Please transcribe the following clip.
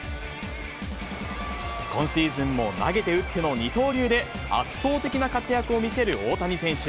今シーズンも投げて打っての二刀流で圧倒的な活躍を見せる大谷選手。